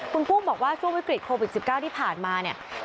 คุณกุ้งบอกว่าช่วงวิกฤตโควิด๑๙ที่ผ่านมาเนี่ย